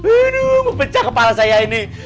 aduh nunggu pecah kepala saya ini